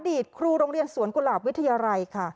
ตครูโรงเรียนสวนกุหลาบวิทยาลัยค่ะ